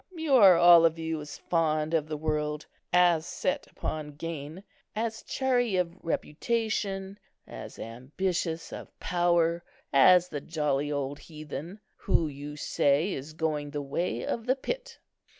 You are all of you as fond of the world, as set upon gain, as chary of reputation, as ambitious of power, as the jolly old heathen, who, you say, is going the way of the pit."